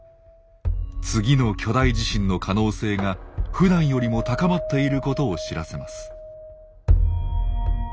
次の巨大地震の可能性がふだんよりも高まっていることを知らせます。